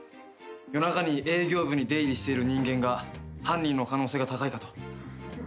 夜中に営業部に出入りしている人間が犯人の可能性が高いかと。